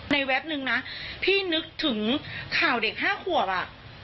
แวบนึงนะพี่นึกถึงข่าวเด็ก๕ขวบอ่ะ